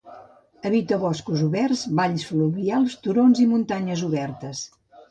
Habita boscos oberts, valls fluvials, turons i muntanyes obertes.